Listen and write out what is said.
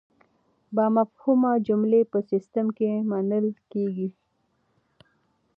بامفهومه جملې په سیسټم کې منل کیږي.